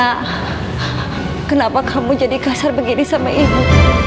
karena kenapa kamu jadi kasar begini sama ibu